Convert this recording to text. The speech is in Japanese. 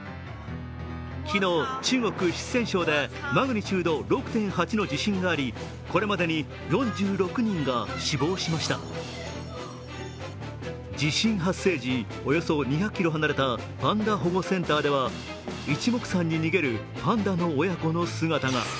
昨日、中国・四川省でマグニチュード６．８の地震があり地震発生時、およそ２００ｋｍ離れたパンダ保護センターでは一目散に逃げるパンダの親子の姿が。